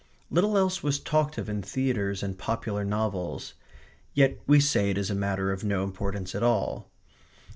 Little else was talked of in theatres and popular novels. Yet we say it is a matter of no importance at all.